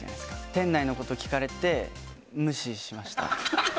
店内のことを聞かれて、無視しま